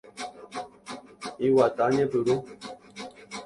Iguata ñepyrũ.